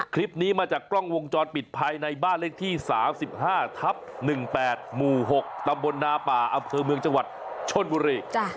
คลิปนี้มาจากกล้องวงจรปิดภายในบ้านเลขที่๓๕ทับ๑๘หมู่๖ตำบลนาป่าอำเภอเมืองจังหวัดชนบุรี